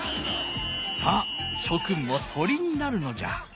さあしょくんも鳥になるのじゃ。